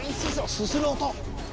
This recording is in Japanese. すする音！